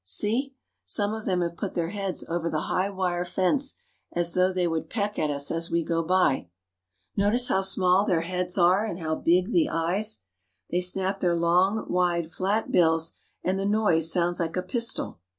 See! Some of them have put their ' heads over the high wire fence as though they would peck ! at us as we go by. Notice how small their heads are and tf how big the eyes! They snap their long, wide, flat bills, , S90 ^^H and the noise sounds like a pistol.